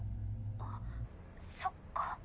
あっそっか。